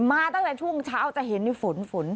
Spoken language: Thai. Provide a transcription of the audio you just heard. มาตั้งแต่ช่วงเช้าจะเห็นฝนฝน